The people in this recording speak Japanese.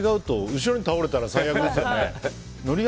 後ろに倒れたら最悪ですよね。